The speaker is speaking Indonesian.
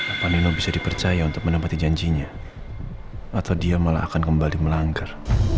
apa nino bisa dipercaya untuk menempati janjinya atau dia malah akan kembali melanggar